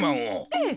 ええ。